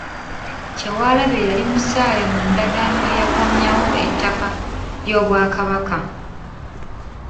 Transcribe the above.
Kyewalabye yali musaale mu ndagaano eyakomyawo ettaka ly’Obwakabaka.